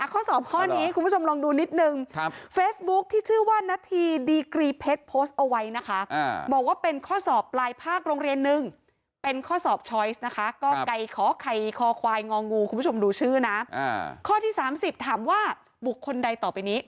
คุณผู้ชมดูชื่อนะข้อที่สามสิบถามว่าบุกคนใดต่อไปนี้